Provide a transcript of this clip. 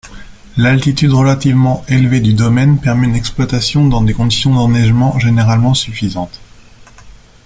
L'altitude relativement élevée du domaine permet une exploitation dans des conditions d'enneigement généralement suffisantes.